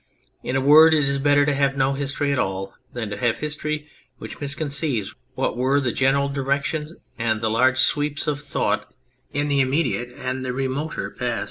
In a word, it is better to have no history at all than to have history which misconceives what were the general direction and the large sweeps of thought in the immediate and the remoter past.